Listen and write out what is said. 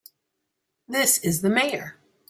This is the Mayor.